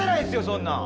そんなん！